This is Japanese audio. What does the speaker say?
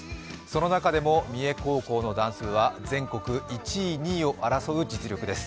その中でも三重高校のダンス部は全国１位２位を争う実力です。